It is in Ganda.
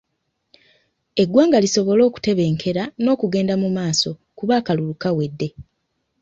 Eggwanga lisobole okutebenkera n'okugenda mu maaso kuba akalulu kawedde.